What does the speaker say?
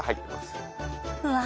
うわ。